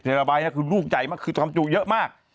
๑๐เทลไลไบต์น่ะคือลูกใหญ่คือความจุดเยอะมาก